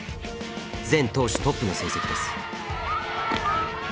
全投手トップの成績です。